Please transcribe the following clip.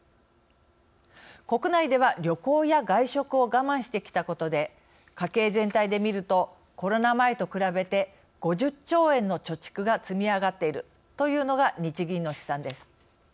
国内では旅行や外食を我慢してきたことで家計全体で見るとコロナ前と比べて５０兆円の貯蓄が積み上がっているというのが日銀の試算です。